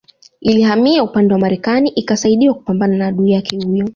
Ilihamia upande wa Marekani ikasaidiwa kupambana na adui yake huyo